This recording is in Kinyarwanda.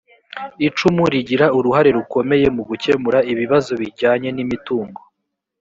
icumu rigira uruhare rukomeye mu gukemura ibibazo bijyanye n imitungo